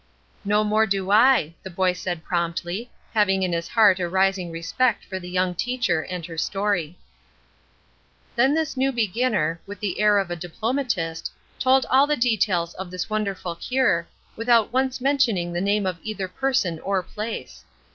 "No more do I," the boy said, promptly, having in his heart a rising respect for the young teacher and her story. Then this new beginner, with the air of a diplomatist, told all the details of this wonderful cure, without once mentioning the name of either person or place.